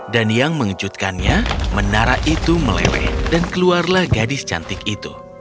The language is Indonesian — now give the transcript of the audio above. dan yang mengejutkannya menara itu melewai dan keluarlah gadis cantik itu